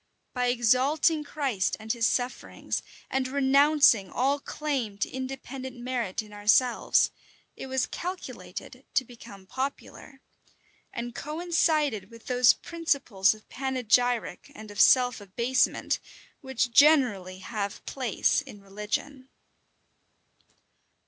By exalting Christ and his sufferings, and renouncing all claim to independent merit in ourselves, it was calculated to become popular, and coincided with those principles of panegyric and of self abasement which generally have place in religion.